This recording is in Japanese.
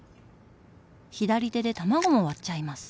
左手で卵も割っちゃいます！